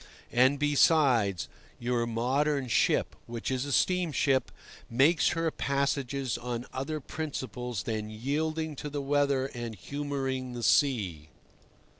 And, besides, your modern ship which is a steamship makes her passages on other principles than yielding to the weather and humouring the sea.